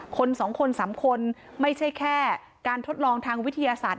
คน๒คน๓คนไม่ใช่แค่การทดลองทางวิทยาศาสตร์